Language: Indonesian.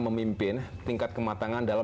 memimpin tingkat kematangan dalam